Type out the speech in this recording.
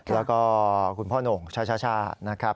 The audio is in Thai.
แล้วก็คุณพ่อโหน่งช่านะครับ